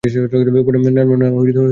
না, আমিই তাকে বলেছি।